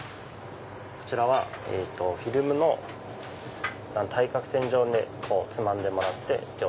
こちらはフィルムの対角線上でつまんでもらって両手で。